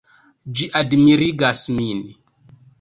Ĝi admirigas min.